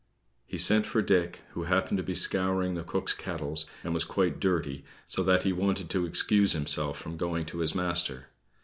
He sent for Dick, who happened to be scouring the cook's kettles, and was quite dirty; so that he wanted to excuse himself from going to his master.